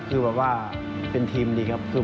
คือเป็นทีมดีครับ